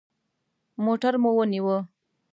موټر مو ونیوه.